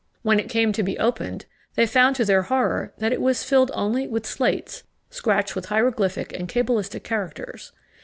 When it came to be opened, they found to their horror that it was filled only with slates, scratched with hieroglyphic and cabalistic characters.